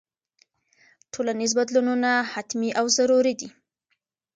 ټولنیز بدلونونه حتمي او ضروري دي.